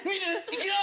いくよ！